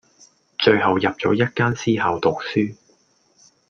最後入咗一間私校讀書⠀